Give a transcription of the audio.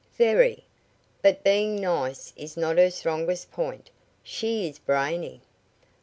"Very. But being nice is not her strongest point. She is brainy."